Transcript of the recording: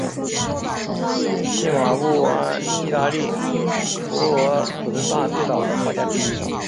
契马布埃意大利佛罗伦萨最早的画家之一。